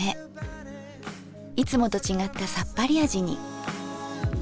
いつもと違ったさっぱり味に。